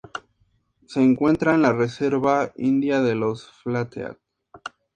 Se encuentra en la Reserva india de los Flathead.